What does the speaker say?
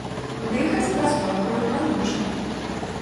Дыхаць праз мокрую анучу.